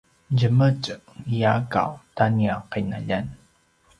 djemetj i akaw ta nia qinaljan